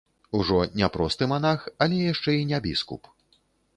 Ужо не просты манах, але яшчэ і не біскуп.